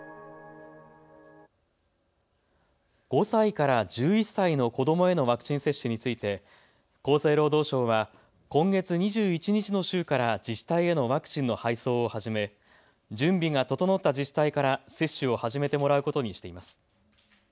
５歳から１１歳の子どもへのワクチン接種について厚生労働省は今月２１日の週から自治体へのワクチンの配送を始め準備が整った自治体から接種を始めてもらうことにしています。